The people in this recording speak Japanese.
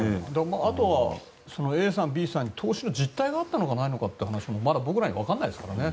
あとはＡさん、Ｂさんに投資の実態があったのかないのかというまだ僕らにはわからないですもんね。